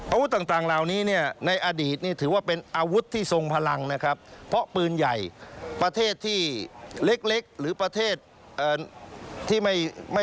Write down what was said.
อาวุธต่างราวนี้ในอดีตถือว่าเป็นอาวุธที่ทรงพลังนะครับ